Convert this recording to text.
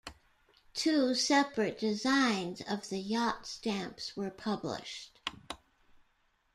Two separate designs of the Yacht stamps were published.